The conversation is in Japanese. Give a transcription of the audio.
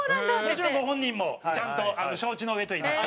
もちろんご本人もちゃんと承知のうえといいますか。